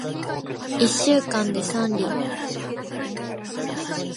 一週間で三里